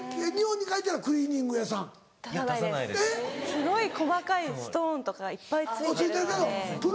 すごい細かいストーンとかいっぱい付いてるので。